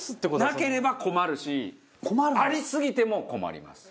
なければ困るしありすぎても困ります。